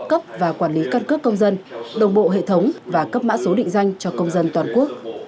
cấp và quản lý căn cước công dân đồng bộ hệ thống và cấp mã số định danh cho công dân toàn quốc